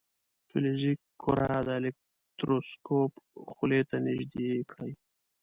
فلزي کره د الکتروسکوپ خولې ته نژدې کړئ.